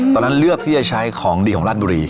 ตอนนั้นเลือกที่จะใช้ของดีของราชบุรี